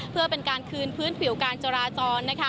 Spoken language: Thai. เพื่อเป็นการคืนพื้นผิวการจราจร